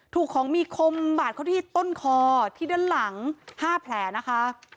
ถูกของมีคมบาดเข้าที่ต้นคอที่ด้านหลัง๕แผลนะคะ